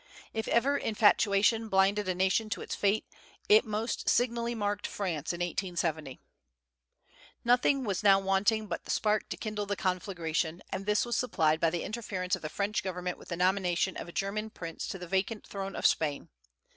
If ever infatuation blinded a nation to its fate, it most signally marked France in 1870. Nothing was now wanting but the spark to kindle the conflagration; and this was supplied by the interference of the French government with the nomination of a German prince to the vacant throne of Spain.